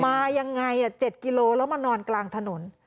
มายังไง๗กิโลแล้วมานอนกลางถนน